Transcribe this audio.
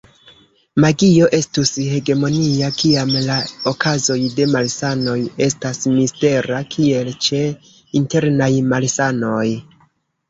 Magio estus hegemonia kiam la okazoj de malsanoj estas mistera, kiel ĉe internaj malsanoj.